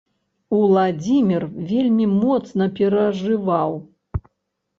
Уладзімір вельмі моцна перажываў.